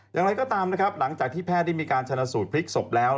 อย่างไรก็ตามนะครับหลังจากที่แพทย์ได้มีการชนะสูตรพลิกศพแล้ว